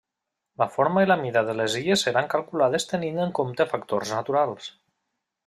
La forma i la mida de les illes seran calculades tenint en compte factors naturals.